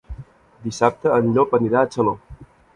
Dissabte en Llop anirà a Xaló.